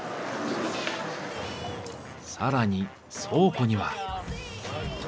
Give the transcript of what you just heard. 更に倉庫には。